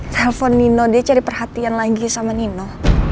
telepon nino dia cari perhatian lagi sama nino